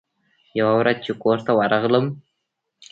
يوه ورځ چې کور ته ورغلم.